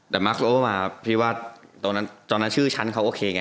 แต่มาร์คโลมาพี่ว่าตอนนั้นชื่อฉันเขาโอเคไง